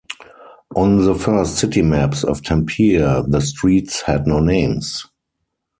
On the first city maps of Tampere the streets had no names.